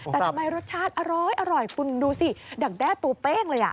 แต่ทำไมรสชาติอร้อยคุณดูสิดักแด้ตัวเป้งเลย